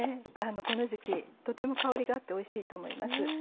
この時期とても香りがあっておいしいと思います。